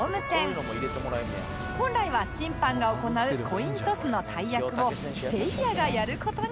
本来は審判が行うコイントスの大役をせいやがやる事に